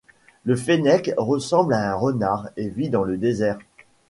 Le fennec ressemble à un renard et vit dans le désert